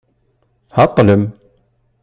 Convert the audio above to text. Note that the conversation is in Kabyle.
Tɛeṭlem.